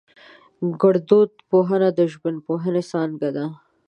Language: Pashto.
گړدود پوهنه د ژبپوهنې څانگه ده